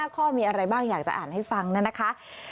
ข้อมีอะไรบ้างอยากจะอ่านให้ฟังนะคะ